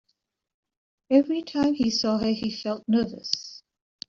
Every time he saw her, he felt nervous.